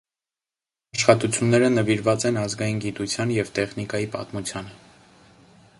Աշխատությունները նվիրված են ազգային գիտության և տեխնիկայի պատմությանը։